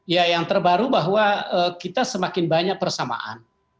ya yang terbaru bahwa kita semakin banyak persamaan